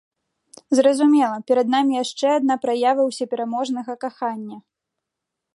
Зразумела, перад намі яшчэ адна праява ўсёпераможнага кахання!